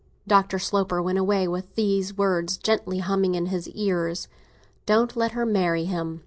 Dr. Sloper went away with the words gently humming in his ears—"Don't let her marry him!"